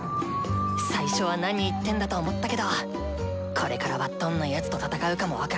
最初は「何言ってんだ」と思ったけどこれからはどんなヤツと戦うかも分からない。